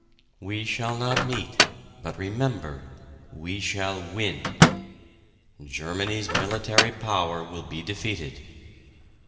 We shall not meet, but remember, we shall win! Germany's military power will be defeated.